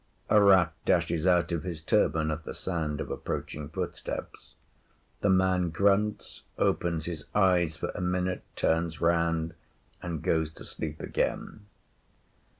A rat dashes out of his turban at the sound of approaching footsteps. The man grunts, opens his eyes for a minute, turns round, and goes to sleep again.